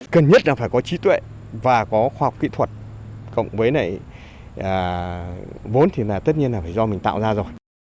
cần nhất là phải có trí tuệ và có khoa học kỹ thuật cộng với vốn thì là tất nhiên là phải do mình tạo ra rồi